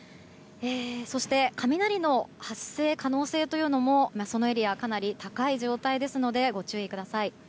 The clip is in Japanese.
そして、雷の発生可能性もそのエリアはかなり高い状態ですのでご注意ください。